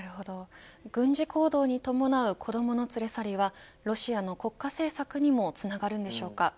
軍事行動に伴う子どもの連れ去りはロシアの国家政策にもつながるんでしょうか。